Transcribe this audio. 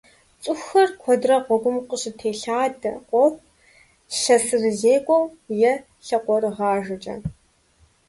Цӏыкӏухэр куэдрэ гъуэгум къыщытелъадэ къохъу лъэсырызекӀуэу е лъакъуэрыгъажэкӏэ.